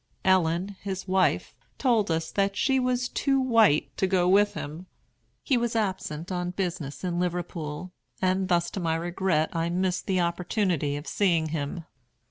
Ellen, his wife, told us that she was too white to go with him. He was absent on business in Liverpool, and thus, to my regret, I missed the opportunity of seeing him.